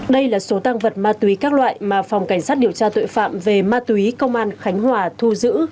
đây là số tăng vật ma túy các loại mà phòng cảnh sát điều tra tội phạm về ma túy công an khánh hòa thu giữ